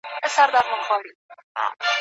موږ په دې ساحل کي آزمېیلي توپانونه دي